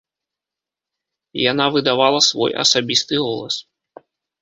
Яна выдавала свой асабісты голас.